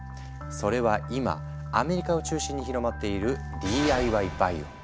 それは今アメリカを中心に広まっている「ＤＩＹバイオ」。